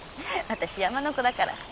私山の子だから。